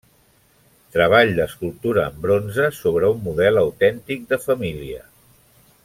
Treball d’escultura en bronze sobre un model autèntic de família.